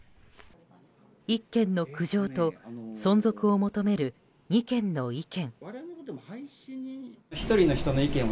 １件の苦情と存続を求める２件の意見。